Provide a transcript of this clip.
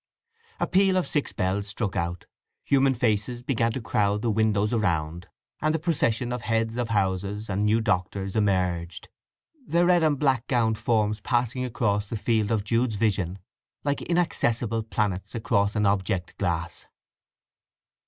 A peal of six bells struck out, human faces began to crowd the windows around, and the procession of heads of houses and new Doctors emerged, their red and black gowned forms passing across the field of Jude's vision like inaccessible planets across an object glass.